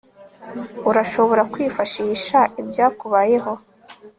urashobora kwifashisha ibyakubayeho